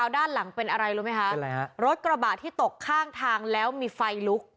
ด้านหลังเป็นอะไรรู้ไหมคะรถกระบะที่ตกข้างทางแล้วมีไฟลุก